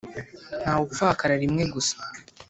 ntawupfakara rimwe gusa